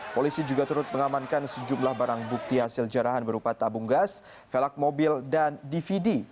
polisi juga turut mengamankan sejumlah barang bukti hasil jarahan berupa tabung gas velak mobil dan dvd